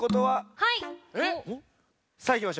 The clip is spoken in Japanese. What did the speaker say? はい！